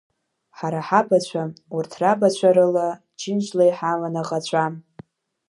Ҳара ҳабацәа, урҭ рабацәа рыла, џьынџьла иҳаман аӷацәа.